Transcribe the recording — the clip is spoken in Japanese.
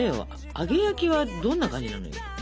揚げ焼きはどんな感じなのよ？